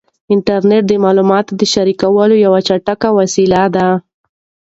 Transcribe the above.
انټرنیټ د معلوماتو د شریکولو یوه چټکه وسیله ده.